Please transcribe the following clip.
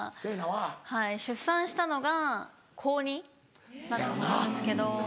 はい出産したのが高２だったんですけど。